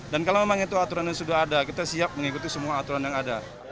dan kalau memang itu aturan yang sudah ada kita siap mengikuti semua aturan yang ada